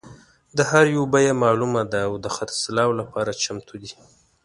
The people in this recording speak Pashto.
د هر یو بیه معلومه ده او د خرڅلاو لپاره چمتو دي.